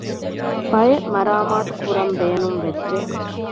ބައެއް މަރާމާތުކުރަން ބޭނުންވެއްޖެ